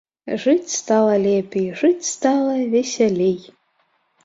Жыць стала лепей, жыць стала весялей!